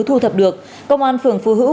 thu thập được công an phường phú hữu